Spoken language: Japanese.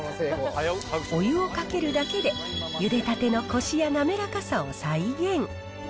お湯をかけるだけで、ゆでたてのこしや滑らかさを再現。